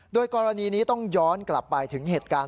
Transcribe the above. โดยกรณีนี้ต้องย้อนกลับไปถึงเหตุการณ์